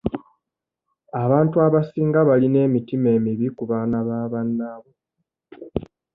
Abantu abasinga balina emitima emibi ku baana ba bannaabwe.